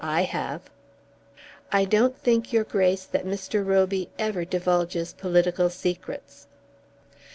I have." "I don't think, your Grace, that Mr. Roby ever divulges political secrets."